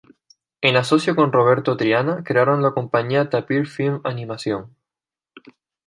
En asocio con Roberto Triana, crearon la compañía Tapir Film Animación.